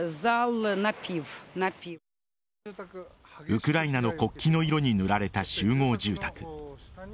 ウクライナの国旗の色に塗られた集合住宅。